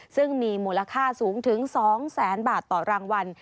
ซึ่งมีมูลค่าสูงถึง๒แสนบาทต่อรางวัล